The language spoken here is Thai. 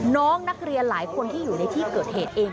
น้องนักเรียนหลายคนที่อยู่ในที่เกิดเหตุเอง